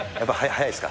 速いです。